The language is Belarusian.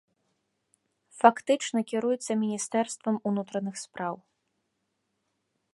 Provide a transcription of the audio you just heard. Фактычна кіруецца міністэрствам унутраных спраў.